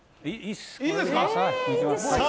いいです。